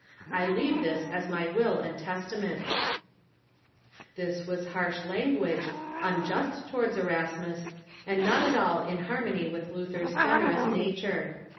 I leave this as my will and testament," This was hai'sh lan guage, unjust towards Erasmus, and not at all in harmony with Luther's generous nature.